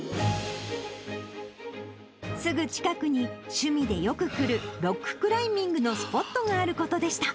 すぐ近くに趣味でよく来るロッククライミングのスポットがあることでした。